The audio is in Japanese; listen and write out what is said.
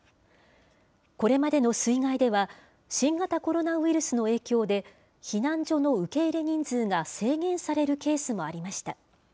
これまでの水害では、新型コロナウイルスの影響で、避難所の受け入れ人数が制限されるケースもありました。